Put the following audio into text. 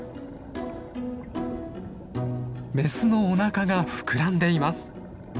メスのおなかが膨らんでいます。